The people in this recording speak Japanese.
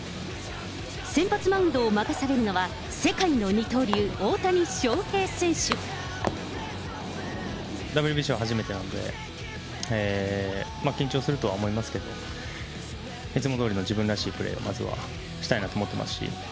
先発マウンドを任されるのは、世界の二刀流、ＷＢＣは初めてなので、緊張するとは思いますけど、いつもどおりの自分らしいプレーをまずはしたいなと思ってますし。